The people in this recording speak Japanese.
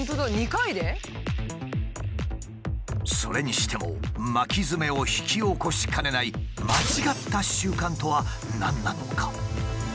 それにしても巻きヅメを引き起こしかねない間違った習慣とは何なのか？